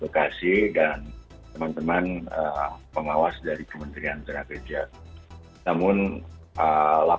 bekasi dan teman teman pengawas dari kementerian tenaga kerja